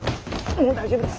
もう大丈夫です。